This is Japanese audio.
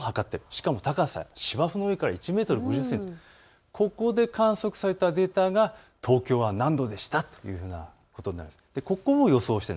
しかも芝生の上から高さ１メートル５０センチ、ここで観測されたデータが東京、何度でしたということになります。